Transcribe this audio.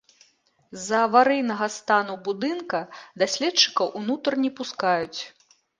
З-за аварыйнага стану будынка даследчыкаў ўнутр не пускаюць.